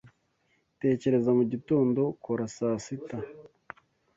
Tekereza mu gitondo Kora saa sita